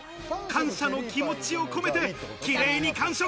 感謝の気持ちを込めてキレイに完食。